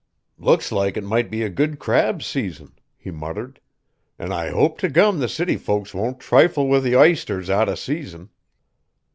"Looks like it might be a good crab season," he muttered, "an' I hope t' gum! the city folks won't trifle with the isters out o' season.